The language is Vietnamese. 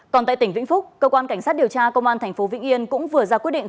còn tại tỉnh vĩnh phúc cơ quan cảnh sát điều tra công an tp vĩnh yên cũng vừa ra quyết định